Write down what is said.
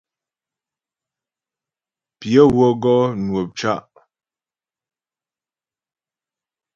Pyə wə́ gɔ nwə̂p cá'.